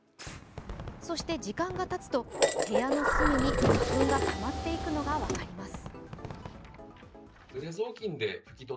そして時間がたつと、部屋の隅に花粉がたまっていくのが分かります。